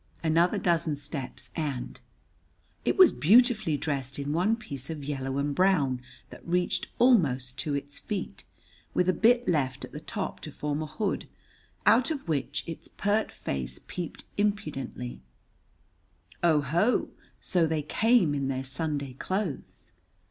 Another dozen steps, and It was beautifully dressed in one piece of yellow and brown that reached almost to its feet, with a bit left at the top to form a hood, out of which its pert face peeped impudently; oho, so they came in their Sunday clothes.